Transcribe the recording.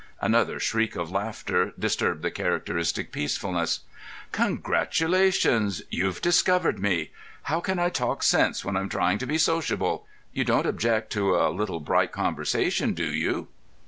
Another shriek of laughter disturbed the characteristic peacefulness. "Congratulations! You've discovered me. How can I talk sense when I'm trying to be sociable? You don't object to a little bright conversation, do you?"